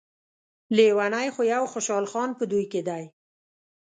لیونی خو يو خوشحال خان په دوی کې دی.